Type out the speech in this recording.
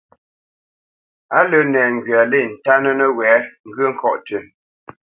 Á lə́ nɛŋgywa lê ntánə́ nəwɛ̌ ŋgyə̂ ŋkɔ̌ tʉ́.